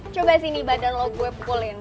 coba sini badan lo gue pukulin